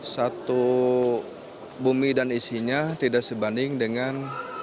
satu bumi dan isinya tidak sebanding dengan